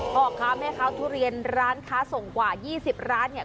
พ่อค้าแม่ค้าทุเรียนร้านค้าส่งกว่า๒๐ร้านเนี่ย